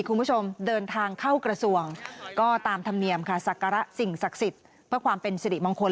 คุณผู้ชมเดินทางเข้ากระทรวงก็ตามธรรมเนียมค่ะศักระสิ่งศักดิ์สิทธิ์เพื่อความเป็นสิริมงคล